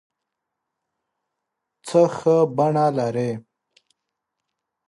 څه ښه بڼه لرې